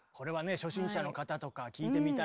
初心者の方とか聞いてみたい。